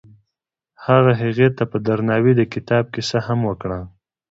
هغه هغې ته په درناوي د کتاب کیسه هم وکړه.